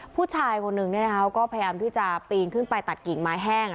ผู้ชายคนหนึ่งเขาก็พยายามที่จะปีนขึ้นไปตัดกิ่งไม้แห้ง